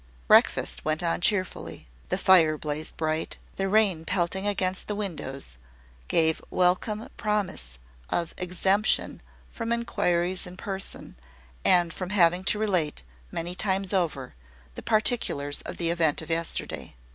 Breakfast went on cheerfully. The fire blazed bright: the rain pelting against the windows gave welcome promise of exemption from inquiries in person, and from having to relate, many times over, the particulars of the event of yesterday.